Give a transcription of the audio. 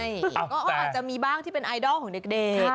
ก็อาจจะมีบ้างที่เป็นไอดอลของเด็ก